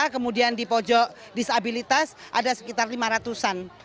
kemudian di pojok disabilitas ada sekitar lima ratus an